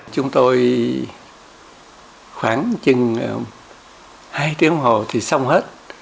chúng tôi khoảng chừng hai tiếng hồ thì xong hết